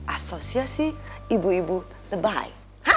asosiasi ibu ibu lebay